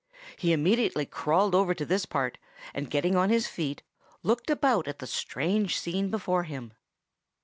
He immediately crawled over to this part, and getting on his feet, looked about at the strange scene before him.